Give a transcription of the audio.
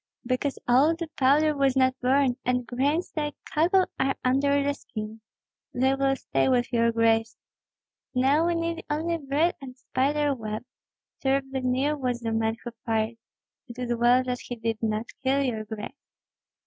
"Because all the powder was not burned, and grains like cockle are under the skin. They will stay with your grace. Now we need only bread and spider web. Terribly near was the man who fired. It is well that he did not kill your grace."